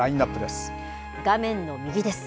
画面の右です。